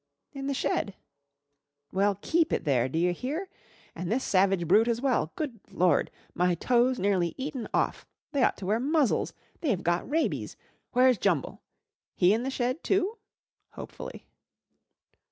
"In the shed." "Well, keep it there, do you hear? And this savage brute as well. Good Lord! My toe's nearly eaten off. They ought to wear muzzles; they've got rabies. Where's Jumble? He in the shed, too?" hopefully.